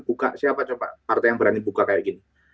buka siapa coba partai yang berani buka kayak gini